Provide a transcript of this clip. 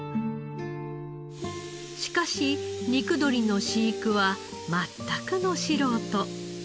しかし肉鶏の飼育は全くの素人。